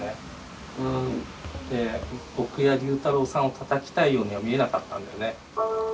僕や龍太郎さんをたたきたいようには見えなかったんだよね。